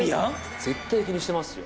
絶対気にしてますよ。